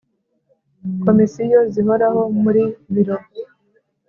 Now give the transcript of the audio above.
Komisiyo zihoraho muri Biro